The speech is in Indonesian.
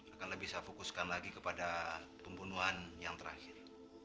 akan lebih saya fokuskan lagi kepada pembunuhan yang terakhir